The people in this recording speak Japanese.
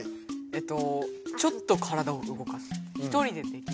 ちょっと体を動かす。